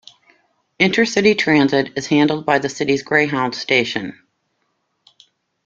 Intercity transit is handled by the city's Greyhound station.